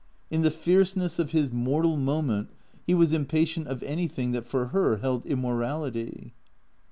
In the fierce ness of his mortal moment he was impatient of everything that for her held immorality.